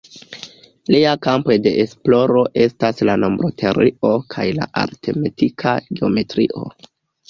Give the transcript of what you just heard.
Lia kampoj de esploro estas la nombroteorio kaj la aritmetika geometrio.